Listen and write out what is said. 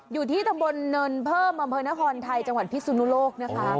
อยู่ที่ถมเนิ้นเพิ่มบทจังหวัดพิษุนุโลก